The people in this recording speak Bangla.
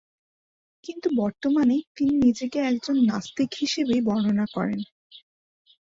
কিন্তু বর্তমানে তিনি নিজেকে একজন নাস্তিক হিসেবেই বর্ণনা করেন।